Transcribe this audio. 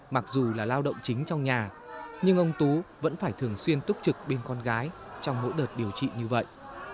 mặc dù là lao động chính trong nhà nhưng ông tú vẫn phải thường xuyên túc trực bên con gái trong mỗi đợt điều trị như vậy